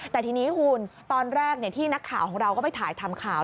แต่ทีนี้คุณตอนแรกที่นักข่าวของเราก็ไปถ่ายทำข่าว